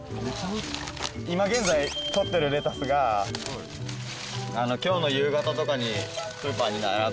今現在採ってるレタスが今日の夕方とかにスーパーに並ぶ。